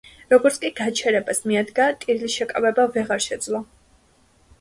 როგორც კი გაჩერებას მიადგა, ტირილის შეკავება ვეღარ შეძლო.